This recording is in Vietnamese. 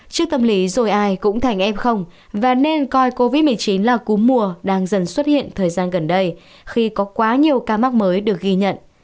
trước tâm lý rồi ai cũng thành em không và nên coi covid một mươi chín là cú mùa đang dần xuất hiện thời gian gần đây khi có quá nhiều ca mắc mới được ghi nhận